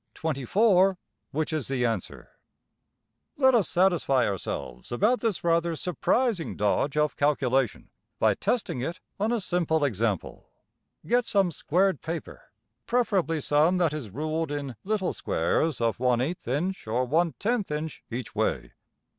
\end{align*} Let us satisfy ourselves about this rather surprising dodge of calculation, by testing it on a simple example. Get some squared paper, preferably some \Figure[2.75in]{224a} that is ruled in little squares of one eighth inch or one tenth inch each way.